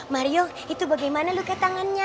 mario itu bagaimana luka tangannya